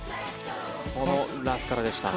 このラフからでした。